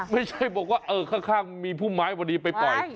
ไม่ใช่บอกว่าเออข้างมีพุ่มไม้พอดีไปปล่อย